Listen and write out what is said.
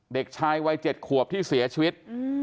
เด็กชายวัย๗ขวบที่เสียชีวิต